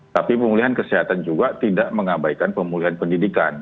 tapi pemulihan kesehatan juga tidak mengabaikan pemulihan pendidikan